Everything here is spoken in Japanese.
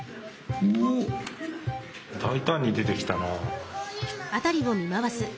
大胆に出てきたな。